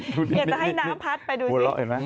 อยากจะให้น้ำพัดไปดูนิดนึง